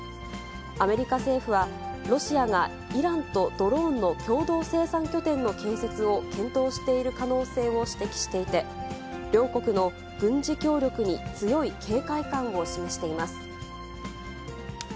アメリカ政府は、ロシアがイランとドローンの共同生産拠点の建設を検討している可能性を指摘していて、両国の軍事協力に強い警戒感を示しています。